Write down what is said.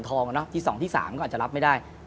ที่ผ่านมาที่มันถูกบอกว่าเป็นกีฬาพื้นบ้านเนี่ย